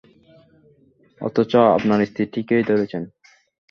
অথচ আপনার স্ত্রী ঠিকই ধরেছেন।